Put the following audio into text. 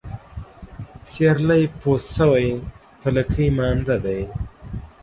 سيرلى پوست سوى ، په لکۍ مانده دى.